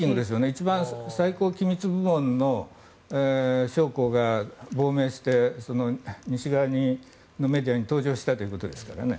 一番最高機密部門の将校が亡命して西側のメディアに登場したということですからね。